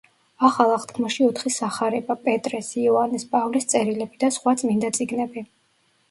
ახალ აღთქმაში ოთხი სახარება, პეტრეს, იოანეს, პავლეს წერილები და სხვა წმინდა წიგნები.